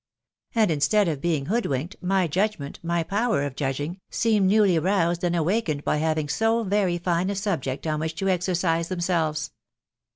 And, instead of being hoodwinked, my judgment, my power of judging, seem newVf wased and Mwakened by having so very fine a subject on w\m& xo TBB WIDOW BABJfABY. 145 cise themselves.